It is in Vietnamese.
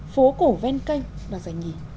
phố cổ ven kênh là giải nhịp